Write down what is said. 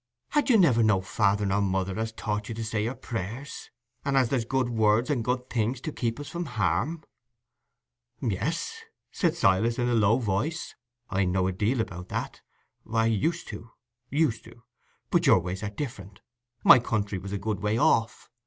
"Had you never no father nor mother as taught you to say your prayers, and as there's good words and good things to keep us from harm?" "Yes," said Silas, in a low voice; "I know a deal about that—used to, used to. But your ways are different: my country was a good way off."